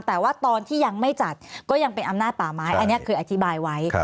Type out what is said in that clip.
แต่ว่าตอนที่ยังไม่จัดก็ยังเป็นอำนาจป่าไม้อันนี้คืออธิบายไว้